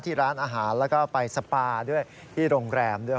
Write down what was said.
ที่ร้านอาหารแล้วก็ไปสปาด้วยที่โรงแรมด้วย